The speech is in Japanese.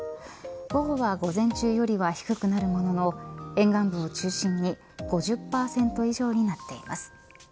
午後は午前中よりは低くなるものの沿岸部を中心に５０％以上になっています。